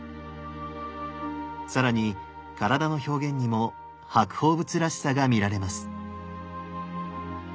更に体の表現にも白鳳仏らしさが見られます。